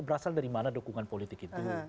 berasal dari mana dukungan politik itu